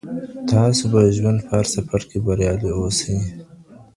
تاسو به د ژوند په هر سفر کي بریالي اوسئ.